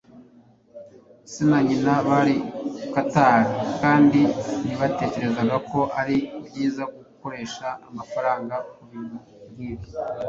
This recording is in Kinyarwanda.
Se na nyina bari Quakers, kandi ntibatekerezaga ko ari byiza gukoresha amafaranga kubintu nkibi.